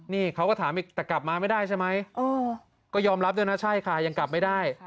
นี่เขาก็ถามอีกแต่กลับมาไม่ได้ใช่ไหมก็ยอมรับด้วยนะใช่ค่ะยังกลับไม่ได้